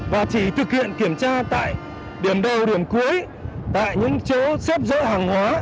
và chỉ thực hiện kiểm tra tại điểm đầu điểm cuối tại những chỗ xếp dỡ hàng hóa